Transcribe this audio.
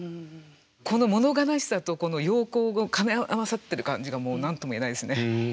この物悲しさとこの陽光が兼ね合わさってる感じがもう何とも言えないですね。